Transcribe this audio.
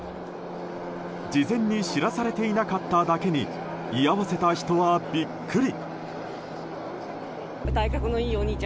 事前に知らされていなかっただけに居合わせた人はビックリ。